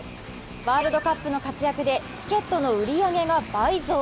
ワールドカップの活躍でチケットの売り上げが倍増。